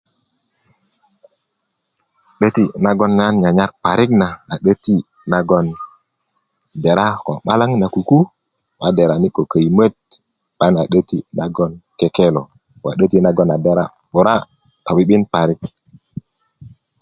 'deti nagon nan nyanyar parik na a 'deti nagon dera ko 'balaŋ na kuku a derani ko köyimöt 'bayin a 'deti nagon kekelo wo a deti nagon a dera 'bura wo to'bi'bin parik